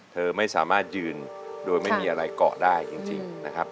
เธอไม่สามารถยืนโดยไม่มีอะไรเกาะได้จริงนะครับ